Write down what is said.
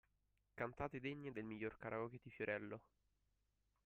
Cantate degne del miglior Karaoke di Fiorello